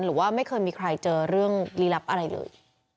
หรือว่าไม่เคยมีใครเจอเรื่องลีลับอะไรเลย